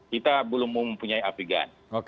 kita belum mempunyai apigan